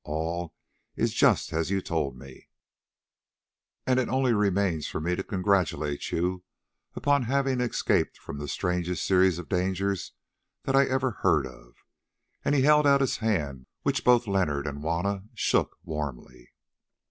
All is just as you told me, and it only remains for me to congratulate you upon having escaped from the strangest series of dangers that ever I heard of"; and he held out his hand, which both Leonard and Juanna shook warmly.